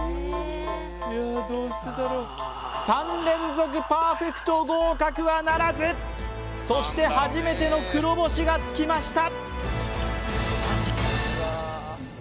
ああ３連続パーフェクト合格はならずそして初めての黒星がつきました